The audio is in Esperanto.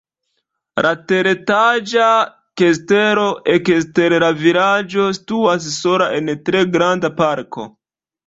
La teretaĝa kastelo ekster la vilaĝo situas sola en tre granda parko.